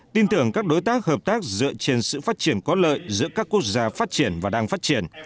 tin tưởng các đối tác hợp tác dựa trên sự phát triển có lợi giữa các quốc gia phát triển và đang phát triển